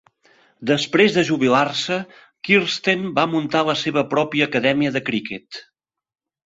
Després de jubilar-se, Kirsten va muntar la seva pròpia acadèmia de criquet.